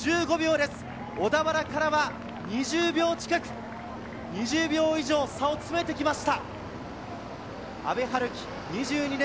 小田原からは２０秒近く、２０秒以上差を詰めてきました。